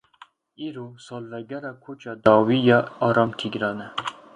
Îro salvegera koça dawî ya Aram Tîgran e.